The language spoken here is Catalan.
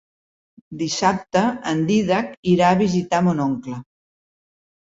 Dissabte en Dídac irà a visitar mon oncle.